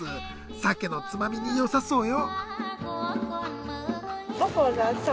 酒のつまみによさそうよ？